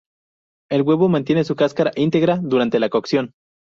El huevo mantiene su cáscara íntegra durante la cocción.